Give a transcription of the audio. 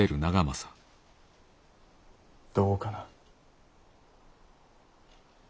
どうかな。